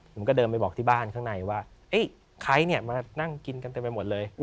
ผมก็เดินไปบอกที่บ้านข้างในว่าใครเนี่ยมานั่งกินกันเต็มไปหมดเลย